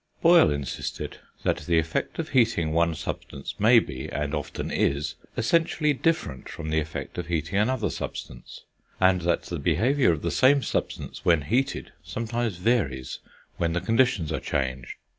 Boyle insisted that the effect of heating one substance may be, and often is, essentially different from the effect of heating another substance; and that the behaviour of the same substance when heated, sometimes varies when the conditions are changed.